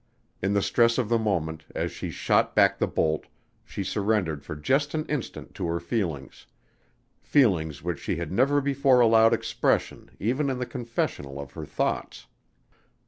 In the stress of the moment, as she shot back the bolt, she surrendered for just an instant to her feelings; feelings which she had never before allowed expression even in the confessional of her thoughts.